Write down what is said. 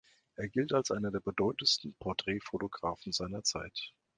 Er gilt als einer der bedeutendsten Porträtfotografen seiner Zeit.